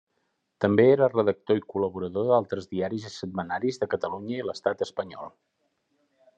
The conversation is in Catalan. També era redactor i col·laborador d'altres diaris i setmanaris de Catalunya i l'estat espanyol.